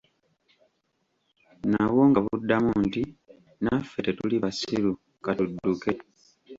Nabwo nga buddamu nti, naffe tetuli basiru, ka tudduke.